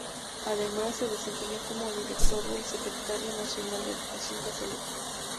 Además se desempeñó como director del Secretariado Nacional de Educación Católica.